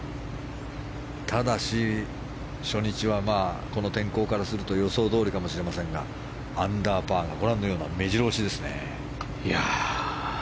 ただし、初日はこの天候からすると予想どおりかもしれませんがアンダーパーが目白押しですね。